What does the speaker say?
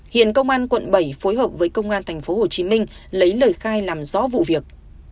hiện công an quận bảy phối hợp với công an tp hcm lấy lời khai làm rõ vụ việc